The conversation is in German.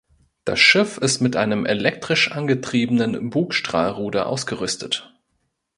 Das Schiff ist mit einem elektrisch angetriebenen Bugstrahlruder ausgerüstet.